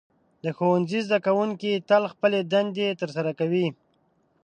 د ښوونځي زده کوونکي تل خپلې دندې ترسره کوي.